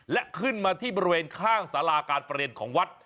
และขึ้นมาที่บริเวณข้างสาราการประเรียนของวัด